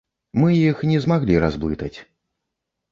Мы іх не змаглі разблытаць.